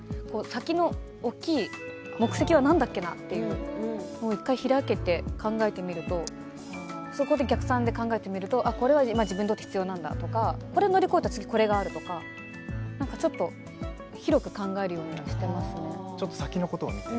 先の大きい目的は何だっけなって１回ひらけて考えてみるとそこでお客さんで考えてみるとこれは今、自分にとって必要なんだとかこれを乗り越えてから次にこれがあるとかちょっと広く考えるようにはしていますね。